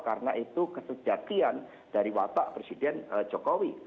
karena itu kesejatian dari watak presiden jokowi